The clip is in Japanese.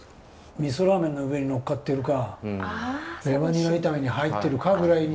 味噌ラーメンの上に載っかってるかレバニラ炒めに入ってるかぐらい。